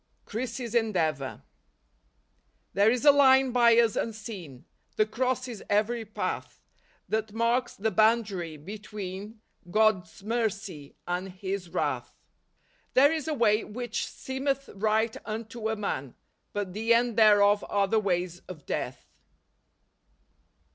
7 Chrissy's Endeavor. " There is a line by us unseen , That crosses every path ; That marks the boundary between God's mercy and His wrath." " There is a way which seemeth right unto a man , but the end thereof are the ways of death."